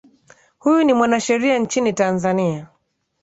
huyu ni mwanasheria nchini tanzania